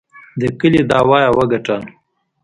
د کلي دعوه یې وګټله.